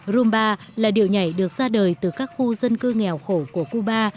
romba là điệu nhảy được ra đời từ các khu dân cư nghèo khổ của cuba